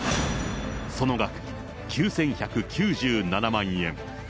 その額、９１９７万円。